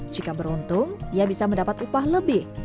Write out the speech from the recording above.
jika beruntung ia bisa mendapat upah lebih